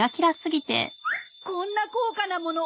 こんな高価なもの